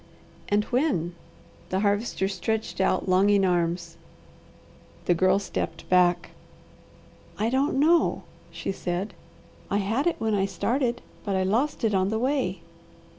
"And when?" The Harvester stretched out longing arms. The Girl stepped back. "I don't know," she said. "I had it when I started, but I lost it on the way."